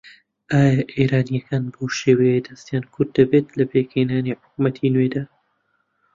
ئایا ئێرانییەکان بەو شێوەیە دەستیان کورت دەبێت لە پێکهێنانی حکوومەتی نوێدا؟